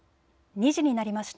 ２時になりました。